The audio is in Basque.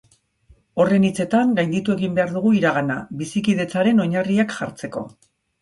Horren hitzetan, gainditu egin behar dugu iragana, bizikidetzaren oinarriak jartzeko.